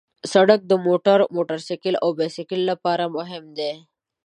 سړک د موټر، موټرسایکل او بایسکل لپاره مهم دی.